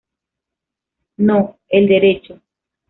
No, el derecho"".